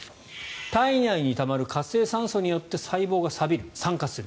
体内にたまる活性酸素によって細胞がさびる、酸化する。